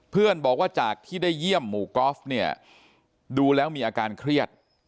บอกว่าจากที่ได้เยี่ยมหมู่กอล์ฟเนี่ยดูแล้วมีอาการเครียด